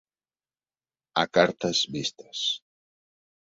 A cartes vistes.